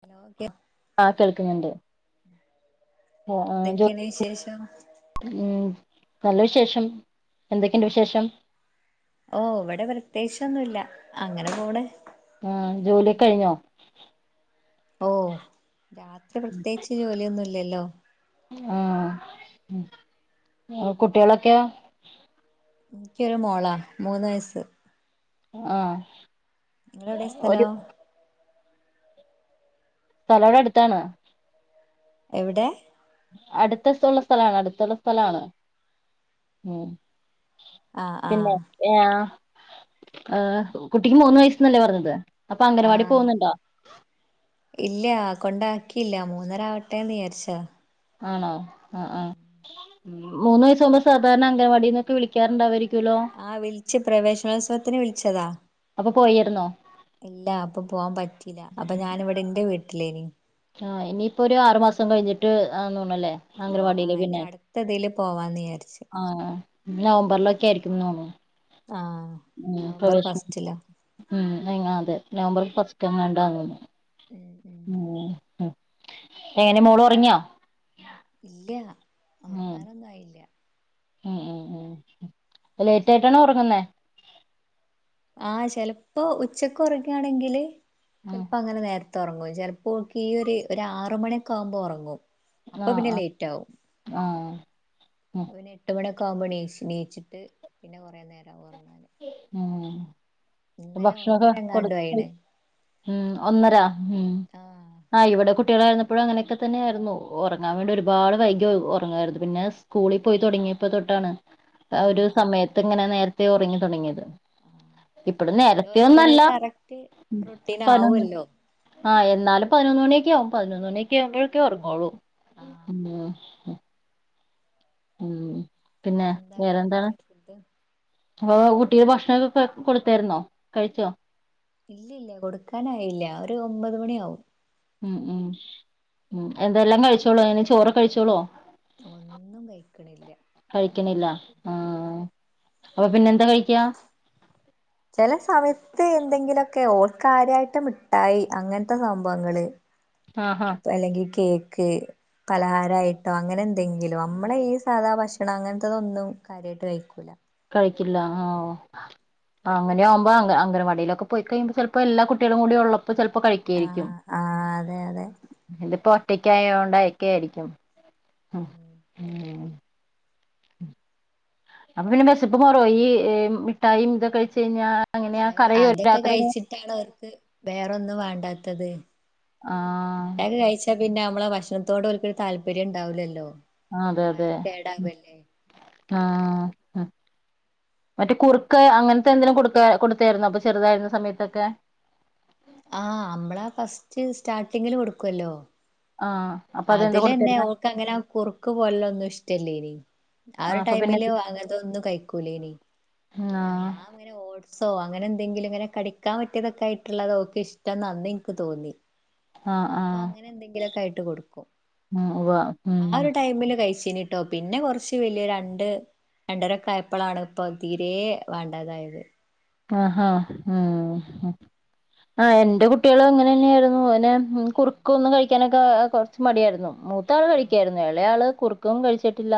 Hello കെ ആഹ് കേൾക്ക്ന്ന്ണ്ട് എന്തെക്കെണ്ട് വിശേഷം ഉം നല്ല വിശേഷം എന്തെക്കെണ്ട് വിശേഷം ഓഹ് ഇവടെ പ്രത്യേയിചൊന്നുല്ല അങ്ങനെ പോണ് ആഹ് ജോലിക്കഴിഞ്ഞോ ഓഹ് രാത്രി പ്രത്യേയിച്ച് ജോലിയൊന്നുല്ല ല്ലല്ലോ ആഹ് ഉം കുട്ട്യാളൊക്കയോ ക്ക്യോരു മോളാ മൂന്ന് വയസ്സ് ആഹ് നിങ്ങളെവ്ടെ ഒരു സ്ഥലം സ്ഥലവ്ടട്ത്താണ് എവ്ടെ അട്ത്തസ്വള്ള സ്ഥലാണ് അട്ത്തുള്ള സ്ഥലാണ് ഉം ആ ആ പിന്നെ എഹ് ആഹ് ഏഹ് കുട്ടിക്ക് മൂന്ന് വയസ്സ്ന്നല്ലേ പറഞ്ഞത് അപ്പൊ അംഗനവാടി പോവുന്നുണ്ടോ ഇല്ലാ കൊണ്ടാക്കീല്ല മൂന്നരാവട്ടെന്ന് വിചാരിച്ചാ ആണോ ആഹ് ആഹ് മൂന്ന് വയസ്സകുമ്പ സാധാരണ അംഗവാടിന്നൊക്കെ വിളാറുണ്ടാവ അവര് ആഹ് വിളിച്ച് പ്രവേശനോത്സവത്തിന് വിളിച്ചതാ അപ്പൊ പോയിരുന്നോ ഇല്ല അപ്പൊ പോവാൻ പറ്റീല്ല അപ്പൊ ഞാനിവിടെ ന്റെ വീ തിലെനി ആഹ് ഇനിയിപ്പോ ഒരു ആറ് മാസം കഴിഞ്ഞിട്ട് ആന്നോന്നണല്ലേ. ആ ആംഗണവാടി ആ ലെ ഇനി പിന്നെ അടുത്തതില് പോവാന്ന് വിചാരിച്ച് ആഹ് നവംബറിലൊക്കെ ആയിരിക്കും തോന്നുന്നു. ആഹ് ഉം നവംബർ പ്രവേശനം ഫസ്റ്റില. ഉം അങ്ങ അതെ നവംബർ ഫസ്റ്റ്ങ്ങാണ്ടാന്ന്ന്നോന്നു. ഉം ഉം ആഹ്. എനെ മോള് ഉറങ്ങിയാ. ഇല്ല. ഉറങ്ങാനൊന്നും ആയില്ല. ഉം ഉം ഉം. ലേറ്റ ആയിട്ടാണ ഉറങ്ങുന്നേ? ആഹ് ചെലപ്പോ ഉച്ചക്ക് ഉറാകുവാണെങ്കിൽ - ഉം ചെലപ്പോ അങ്ങനെ നേര നേരുത്തേ ഉറങ്ങും ചിലപ്പോൾ ഈ ഒരു ആറ് മണിയൊക്കെ ആകുമ്പോ ഒറങ്ങും. അപ്പൊ ആഹ് പിന്നെ ആഹ് ലേറ്റ് ആവും. ആഹ് ഉം ഒര് എട്ട് മണി കോമ്പിണീച്ചിണീച്ചിട്ട് പിന്നെ കുറേ നേരം ആവു ഒറങ്ങ ആഹ്. ഇന്നലെ ഭക്ഷണൊക്കെ ഒന്നര കൊടു എങ്ങാണ്ടു ത്ത് ആയിണ് ഉം ഒന്നര ഉം ആഹ് ഇവിടെ കു കുട്ടികളായിരുന്നപ്പോഴും അങ്ങനെയൊക്കെ തന്നെയായിരുന്നു. ഒറങ്ങാൻ വേണ്ടി ഒരുപാട് വൈകി ഒറങ്ങായിരുന്നു. പിന്നെ സ്കൂളി പോയി തുടങ്ങിയപ്പോ തൊട്ടാണ് ഒരു ആഹ് ആഹ് സമയത്ത് ഇങ്ങനെ നേര ത്തെ ഒറങ്ങി തുടങ്ങിയത്. ആഹ് ആഹ് ഇപ്പഴും പിന്നെ നേരത്തെ ഒന്നും ഓർക്കൊരു അല്ല കറക്റ്റ് റൊട്ടീൻ പതിനൊന്ന് ആവുല്ലോ ആ എന്നാലും പതിനൊന്ന് മണി ക്കെ ആവും പതിനൊന്ന് മണിയൊക്കെ ആവുമ്പഴൊക്കെ ഒറങ്ങൂള്ളൂ. ആഹ് ഉം. ഉം. പിന്നെ ഇന്നെന്താ വേറെന്താണ് കഴിക്കാന് ഫുഡ്. അപ്പൊ കുട്ടിക്ക് ഭക്ഷണൊക്കെ കൊടുത്തായിരുന്നോ കഴിച്ചോ? ഇല്ല ഇല്ല കൊടുക്കാനായില്ല ഒരു ഒമ്പത് മണി ആവും. ഉം ഉം ഉം എന്താ എല്ലാം കഴിച്ചോളൂവൊ ഇങ്ങനെ ചോറ് കഴിച്ചോളുവോ? ഒന്നും കഴിക്കണില്ല കഴിക്കണില്ല ആഹ് അപ്പൊ പിന്നെ എന്താ കഴിക്കാ? ചെല സമയത്ത് എന്തെങ്കിലൊക്കെ ഓർക്ക് കാര്യായിട്ട് മിട്ടായി അങ്ങനത്തെ സംഭവങ്ങള് ആഹാ അപ്പ അല്ലെങ്കിൽ കേ ക്ക് പലഹാരായിട്ടോ അങ്ങനെ എന്തെങ്കിലും നമ്മളെ ഈ സാധാ ഭക്ഷണം അങ്ങനത്തത് ഒന്നും കാര്യായിട്ട് കഴിക്കൂല കഴിക്കില്ല ആ അങ്ങനെയാവുമ്പ അംഗ അംഗണവാടീലൊക്കെ പോയി കഴിയുമ്പോ ചെലപ്പോ എല്ലാ കുട്ടികളും കൂടി ഉള്ളോ പ്പൊ ചെലപ്പോ കഴിക്കുവാരിക്കും ആഹ് ആഹ് അതെ അതെ [unintelligible] ഒറ്റക്കായോണ്ടക്കെയിരിക്കും ഉം അപ്പ പിന്നെ വെശപ്പ് മാറോ ഈ മിഠായീം ഇതൊക്കെ കഴിച്ച് കഴിഞ്ഞാ അങ്ങനെയാ അ കരയോ അതൊക്കെ രാത്രി കഴിച്ചിട്ടാണ് അവർക്ക് വേറൊന്നും വേണ്ടാത്തത് ആഹ് ഇട്ടായിയൊക്കെ കഴിച്ച പി ന്നെ നമ്മള് ഭക്ഷണത്തോട് ഓരുക്കൊരു താല്പര്യം ഇണ്ടാവൂല്ലല്ലോ ആ അതെ അതെ ആ മറ്റേ കുറുക്ക് അങ്ങനത്തെ എന്തേലും കൊടുക്ക കൊടുത്തേരുന്നോ അപ്പൊ ചെറുതായിരുന്ന സമയത്തൊക്കെ ആ നമ്മളാ ഫസ്റ്റ് സ്റ്റാർട്ടിങ്ങില് കൊടുക്കുവല്ലോ ആഹ് അപ്പൊ അതെന്താ അതിലെന്നെ കൊടുത്തിരുന്നെ ഓക്ക് അങ്ങന കുറുക്ക് പോലൊന്നും ഇഷ്ടല്ലേനി ആ ഒരു ആഹ് അപ്പൊ പിന്നെ ടൈമില് അങ്ങനത്തതൊന്നും കഴിക്കൂലേനി ആഹ് അങ്ങനെ ഓ സോ അങ്ങനെ എന്തെങ്കിലും ഇങ്ങനെ കടിക്കാൻ പറ്റിയതൊക്കെ ആയിട്ടുള്ളത് ഓക്ക് ഇഷ്ടംന്ന് അന്നെനിക്ക് തോന്നി ആഹ് അപ്പൊ ആഹ് അങ്ങനെ എന്തെങ്കിലും ഒക്കായിട്ട് കൊടുക്കും ഉം ഉവ്വാ ഉം പിന്നിട്ടോ പിന്നെ കൊറച്ച് വലിയ രണ്ട് രണ്ടരയൊക്കെ ആയപ്പോളാണ് ഇപ്പൊ തീരേ വേണ്ടാതായത് ആ ആ ആ എന്റെ കുട്ടികളും അങ്ങനെ തന്നെയായിരുന്നു ഓന് കുറുക്കൊന്നും കഴിക്കാനൊക്കെ കൊറച്ച് മടിയായിരുന്നു മൂത്താള് ആ കഴിക്കാരുന്നു എളയാള് കുറുക്കും കഴിച്ചിട്ടില്ല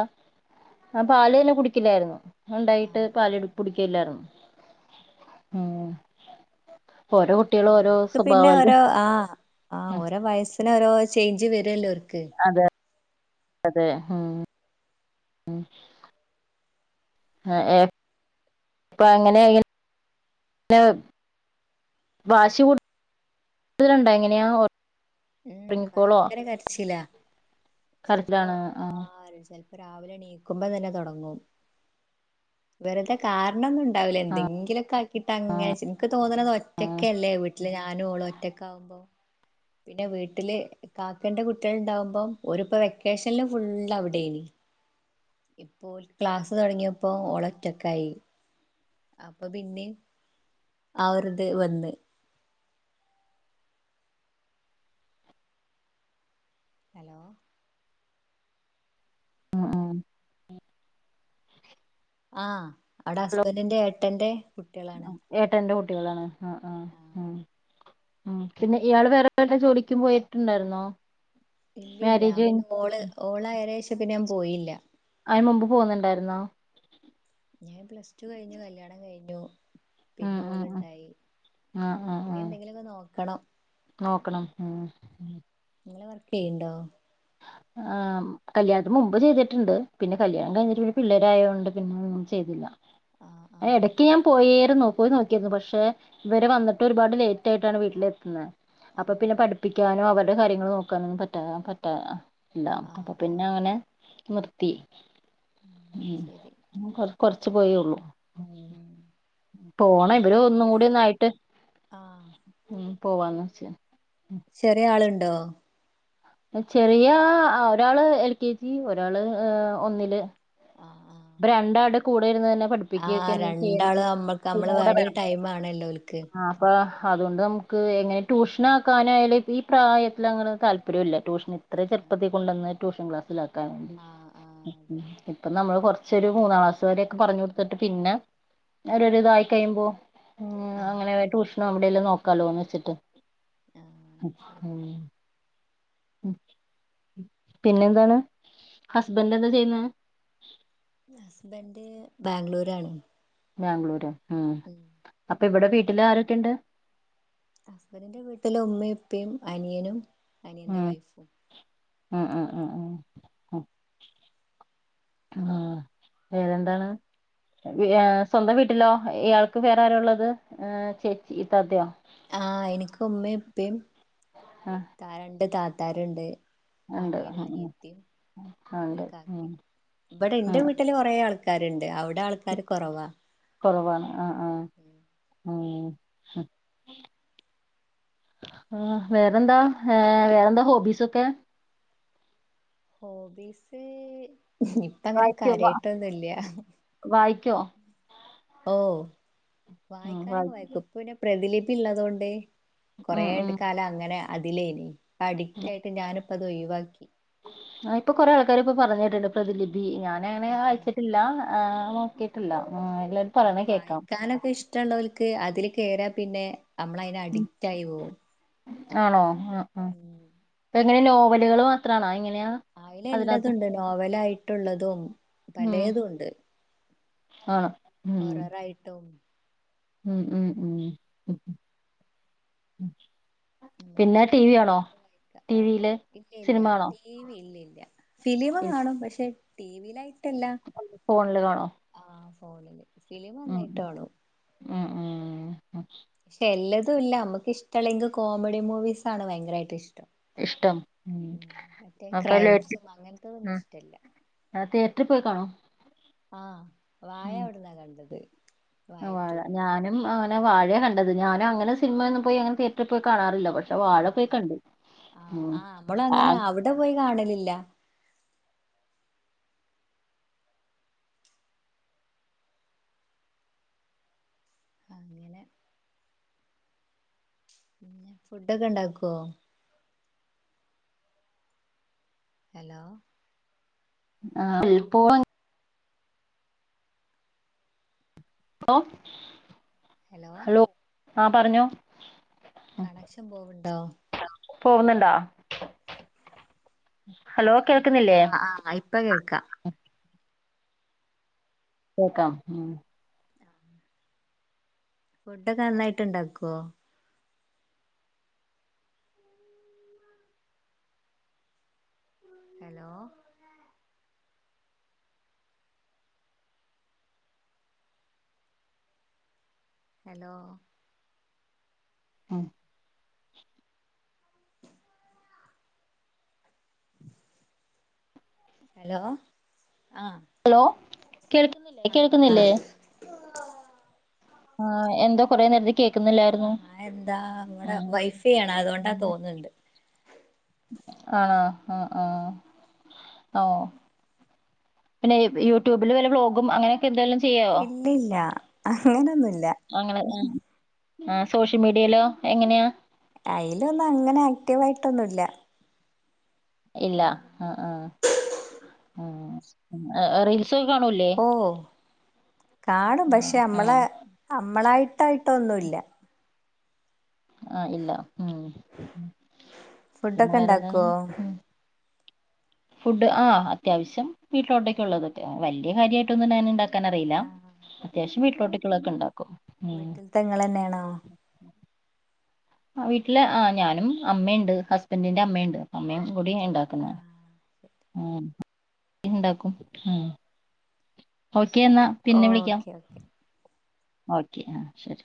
ആ പാല് തന്നെ അവൻ കുടിക്കില്ലാരുന്നു അവൻ ഉണ്ടായിട്ട് പാല് കുടിക്കില്ലാരുന്നു ഉം ഓരോ ആ കുട്ടികളും ഓരോ അവർക്ക് പിന്നെ സ്വഭാവല്ലേ ഓരോ ആ ആ ഓരോ വയസിന് ഓരോ ചേഞ്ച് വരെല്ലോ അതെ അതെ ഉം ഉം ആഹ് ഏ ഇപ്പൊ അങ്ങനെ [unintelligible] വാശി കൂ ടതിലുണ്ടാ എങ്ങനെയാ ഓ ഭയങ്കര കരച്ചിലാ ചെലപ്പോ ആ ആഴ്‌ച്ച രാവിലെ ണീക്കുമ്പോ തന്നെ തൊടങ്ങും വെറുതെ കാരണൊന്നും ഉണ്ടാവില്ല ആ എന്തങ്കിലൊക്കെ ആക്കീട്ട് അങ്ങനെ ചി ഇൻക്ക് തോന്നണത് ഒറ്റക്കല്ലേ വീട്ടില് ഞാനും ഓളും ഒറ്റക്ക് ആവുമ്പോ പിന്നെ വീട്ടില് കാക്കന്റെ കുട്ടികള് ണ്ടാവുമ്പോം ഒരുപ്പ വെക്കേഷനില് ഫുള്ള അവിടെ ആയിരിക്കും ഇപ്പോ ഓല്ക്ക് ക്ലാസ്സ് തുടങ്ങിയപ്പോ ഓള് ഒറ്റക്ക് ആയി അപ്പൊ പിന്നെയും ആ ഒരു ഇത് വന്ന് [inaudible] ആ ആഹ് അടെ ഹസ്ബൻഡിന്റെ എ തെന്തേ ഏട്ടന്റെ കു കുട്ടികളാണ് ആ ആ ആ ഉം പിന്നെ ഇയാള് വേറെ വല്ല ജോലിക്കും പോയിട്ടിണ്ടായിരുന്നോ ഇല്ലല്ല പിന്നെ മോള് ഓളായന് ശേ ക്കെ ഞാൻ പോയില്ല മുമ്പ് പോന്നുണ്ടാരുന്നോ ഞാൻ പ്ലസ് ടു കഴിഞ്ഞു കല്യാണം കഴിഞ്ഞു ഉം പിന്നെ ഉം ഉം ഓള്ണ്ടായി ആ ആ ഇനി എന്തെങ്കിലൊക്കെ നോക്കണം ക്കണം ഉം നിങ്ങള് വർക്ക് ചെയ്യുണ്ടോ ആ കല്യാണത്തിന് മുമ്പ് ചെയ്തിട്ട്ണ്ട് പിന്നെ കല്യാണം കഴിഞ്ഞിട്ട് പിള്ളാരായകൊണ്ട് പിന്നെ ഒന്നും ചെയ്തില്ല ആഹ് ആഹ് എടക്ക് ഞാൻ പോയേരുന്നു പോയി നോക്കിരുന്നു പക്ഷെ ഇവരെ വന്നിട്ട് ഒരുപാട് ലേറ്റ് ആയിട്ടാണ് വീട്ടിലെ അപ്പ ആഹ് പിന്നെ പഠിപ്പിക്കാനും അവ രെ കാര്യങ്ങൾ നോക്കാനും പറ്റാ പ ആഹ് ല്ലാം ആഹ് അപ്പ പിന്നെ ആഹ് അങ്ങനെ നിർ ത്തി ഉം ശരി ഉം കൊർ കൊർ ച്ച് പോയേള്ളൂ ഉം പോണം ഇവര് ഞാന് ഒന്നും ഇവള് കൂടി ഒന്നായിട്ട് ആഹ് ഉം പോവാന്ന് വെച്ച് ചെറിയ ആളി ണ്ടോ ചെറിയ എഹ് ഒരാള് എൽ കെ ജി ഒരാള് എഹ് ഒന്നില് ആഹ് ആഹ് ഇപ്പ രണ്ടാടെ കൂടെ ഇരുന്നാ പഠിപ്പിക്കൊക്കെ ആഹ് ചെയ്യണ രണ്ടാള് നമ്മക്ക് [inaudible] നമ്മള് കൂടെ വേണ്ടിയ ഒരു വേണം ടൈം ആണല്ലോ ഓൽക്ക് ആ അപ്പൊ അതോണ്ട് നമുക്ക് എങ്ങനെ ട്യൂഷൻ ആക്കാനായാലും ഈ ഈ പ്രായത്തിലങ്ങനെ താല്പര്യുല്ല ട്യൂഷൻ ഇത്രേ ചെറുപ്പത്തി കൊണ്ടൊന്ന് ട്യൂഷൻ ക്ലാസ്സിലാ ക്കാന് ആഹ് ആഹ് അതെ ഇപ്പൊ നമ്മള് ശെരി മൂന്നാം ക്ലാസ് വരൊക്കെ പറഞ്ഞു കൊടുത്തിട്ട് പിന്നെ അവര് ഒരു ഇതായി കഴിയുമ്പോ ഉം അങ്ങനെ ആഹ് [unintelligible] ട്യൂഷനോ എല്ലോ നോക്കാലോന്ന് വെച്ചിട്ട് ആഹ് ഉം ശരി പിന്നെ എന്താണ് ഹസ്ബൻറ് എന്താ ചെയ്യുന്നേ ഹസ്ബൻഡ് ബേഗ്ലൂരാണ് ബേഗ്ലൂരൊ ഉം അപ്പ ഇവടെ വീട്ടില് ആരൊക്കെയുണ്ട് ഹസ്ബന്റ്റിന്റെ വീട്ടില് ഉമ്മയും ഉപ്പയും അനിയനും അനിയന്റെ ഉം വൈഫും ഉം ഉം ഉം ഉം ഉം ഏഹ് വേറെന്താണ് ഏഹ് സ്വന്തം വീട്ടിലോ ഇയാൾക്ക് വേറെ ആരാ ഉള്ളത് ചേച്ചി ഇത്താത്തെയോ? ആ എനിക്ക് ഉമ്മയും ഉപ്പയും ആഹ് താഴെ രണ്ട് താ താരുണ്ട് ഉണ്ട് ഉം അനിയനും ഉം അനിയത്തിയും ആഹ് ഉണ്ട് ഒരു ഉം കാക്കയും ആഹ് ക്കാരുണ്ട് അവ കൊറവാണ് ആ ആ ഉം വേറെന്താ ഏഹ് വേറെന്താ ഹോബിസൊക്കെ ഹോബീസ് ഇപ്പ അങ്ങനെ വായിക്കോ വാ കാര്യായിട്ടൊന്നുല്ല വായിക്കോ ഓ ഉം വായിക്കാനൊക്കെ വായി വായിക്കും ഇപ്പൊ പിന്നെ പ്രഥിലിബ് പിള്ളതൊണ്ടേ കൊറേ ഉം ആയിട്ട് ഉം കാലം അങ്ങനെയ അതിലേനി അഡിക്റ്റ് ആയിട്ട് ഞാനിപ്പത് അത് ഒഴിവാക്കി ട്ട്ണ്ട് പ്രതിലിപി പി ഞാന അങ്ങനെ ആഹ് അയച്ചിട്ടില്ല ആ നോക്കിട്ടില്ല എല്ലാവരും അത് പറയണേ കേക്കാം കേരാ പിന്നെ നമ്മളയിന് ഉം അഡിക്റ്റ് ആയി പോം ആണോ ആ ആ അങ്ങനെ നോവലുകൾ മാത്ര അങ്ങ ആയില എല്ലാതുണ്ട് രാവിലെ ആയിട്ടുള്ളതും പലേതും ഉണ്ട് ആ ഹൊററായിട്ടും മ് മ് മ് നമക്ക് ഇഷ്ടുള്ളത് എടുത്ത് വായിക്കാം ടി വിയില് ഇല്ല ഇല്ല സിനിമ ആണോ ടി വി ഇല്ലേ ല്ല ഫിലിമ് കാണും പക്ഷെ ടി വിലായി ഫോൺല് കാണോ ഫോണിൽ മ് മ് മ് ക്ഷെ എല്ലാ തുല്ല നമുക്ക് ഇഷ്ടല്ലെങ്കിൽ കോമഡി മൂവീസാണ് ഭയങ്കരായിട്ട് ഇഷ് ഇഷ്ടം മറ്റേ അപ്പ ലേറ്റ് ക്രൈംസും അങ്ങനത്തതൊന്നും മ് ഇഷ്ടല്ല അന ട്ടി പോയി കാണോ ആ വായ ഉം അവിട്ന്നാ കണ്ടത് ആ വായ വാഴ ടു ഞാനും ആ വാഴ കണ്ടത് ഞാന അങ്ങനെ സിനമ ഒന്നു പോയി അങ്ങനെ തിയറ്ററിൽ പോയി കാറില്ല പക്ഷെ വാഴ ആഹ് പോയി ആഹ് ക്കണ്ട് ആഹ് മ് ആ ല്ല ആ അങ്ങനെ പിന്ന ഫുഡൊക്കെ ഇണ്ടാക്കോ ഹലോ ആ [unintelligible] ഓ ഹലോ ആ പറഞ്ഞോ കണക്ഷൻ പോവണ്ടോ പോകുന്നുണ്ടാ ആഹ് ആഹ് ഇപ്പൊ കേക്കാം കേക്കാം ഉം ഫുഡൊക്കെ നന്നായിട്ട് ഇണ്ടാക്കുവോ ഹലോ ഹലോ ആ ഹലോ ആഹ് ഹലോ കേൾക്കുന്നില്ലേ കേൾക്കുന്നില്ലേ ആ എന്തോ കൊറെ നേര ആ എന്താ ഇവിടെ ഉം വൈഫൈയാണ അതൊണ്ടാ തോന്നുന്നുണ്ട് ആണ ആ ആ ഓ പിന്നെ യൂട്യൂബിൽ വല്ല ബ്ലോഗും അങ്ങനെ ഇല്ലല്ല അങ്ങനൊന്നുല്ല അങ്ങനെ ആ സോഷ്യൽ മീഡിയയിലോ എങ്ങനെയാ അയിലൊന്നും അങ്ങനെ ആക്റ്റീവ് ആയിട്ടൊന്നുംല്ല ഇല്ല ആ ആ ഉം അം ആറിയി ഓ കാണും ആ പക്ഷെ ആ നമ്മളെ നമ്മളായിട്ടായിട്ടൊന്നുല്ല ആ ഇല്ല ഉം പിന്നെ ഫുഡൊക്കെ വേറെന്താണ്? ഇണ്ടാക്കുവോ ഉം ഫുഡ് ആ അത്യാവശ്യം വീട്ടിലോട്ടൊക്ക ഉള്ളൊതൊക്കെ വലിയ കാര്യമായിട്ട് ഒന്ന് ഞാൻണ്ടാക്ക ക്കാനറിയില്ല അത്യാവ്യം വ പട്ടികൊക്കെ ഇണ്ട വീട്ടിൽ തെങ്ങളന്നെയാണോ ആ വീട്ടില് ഞാനും അമ്മയുണ്ട് ഹസ്ബൻറിന്റെ അമ്മയുണ്ട് അമ്മയും കൂടിയ ഇണ്ടാക്കുന്ന ആഹ് മ് ഈണ്ടാക്കും മ് ഹൗ ക്കെ എന്നാ പിന്നെ വിളിക്കാം ഓക്കെ ഓക്കെ ഓക്കെ ആ ശരി